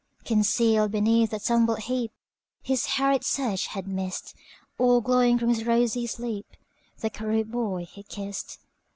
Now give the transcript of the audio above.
Concealed beneath a tumbled heapHis hurried search had missed, All glowing from his rosy sleep, The cherub boy he kissed.